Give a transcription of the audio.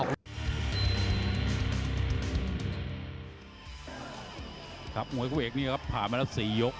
ครับมวยเข้าเอกนี่ครับผ่านมาแล้วสี่ยก